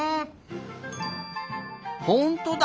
ほんとだ。